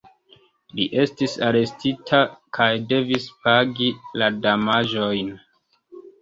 Li estis arestita kaj devis pagi la damaĝojn.